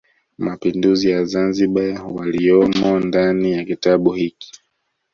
Mapinduzi ya Zanzibar waliyomo ndani ya kitabu hiki